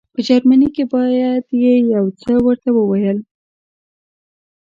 په جرمني باندې یې یو څه ورته وویل.